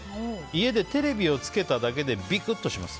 家でテレビをつけただけでビクッとします。